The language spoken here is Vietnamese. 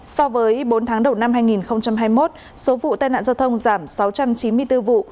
so với bốn tháng đầu năm hai nghìn hai mươi một số vụ tai nạn giao thông giảm sáu trăm chín mươi bốn vụ